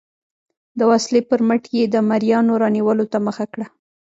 د وسلې پر مټ یې د مریانو رانیولو ته مخه کړه.